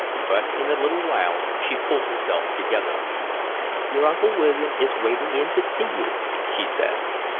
But in a little while she pulled herself together. "Your Uncle William is waiting in to see you," she said.